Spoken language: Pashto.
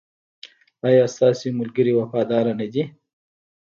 ایا ستاسو ملګري وفادار نه دي؟